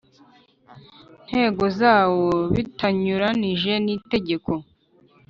ntego zawo bitanyuranije n Itegeko